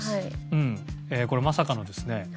これまさかのですね